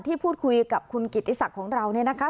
พูดคุยกับคุณกิติศักดิ์ของเราเนี่ยนะคะ